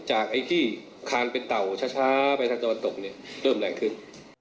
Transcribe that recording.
ไอ้ที่คานเป็นเต่าช้าไปทางตะวันตกเนี่ยเริ่มแรงขึ้น